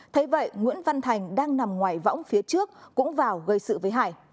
thấy vậy nguyễn văn thành đang nằm ngoài võng phía trước cũng vào gây sự với hải